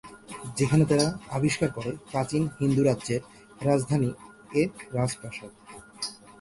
যেখানে তারা আবিষ্কার করে প্রাচীন হিন্দু রাজ্যের রাজধানী এ রাজপ্রাসাদ।